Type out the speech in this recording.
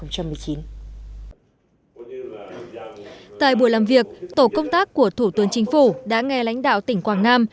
tại buổi làm việc tổ công tác của thủ tướng chính phủ đã nghe lãnh đạo tỉnh quảng nam